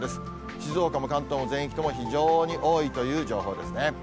静岡も関東も、全域とも非常に多いという情報ですね。